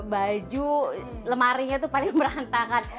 baju lemarinya itu paling berantakan